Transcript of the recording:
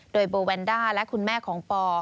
โดยโบแวนด้าและคุณแม่ของปอ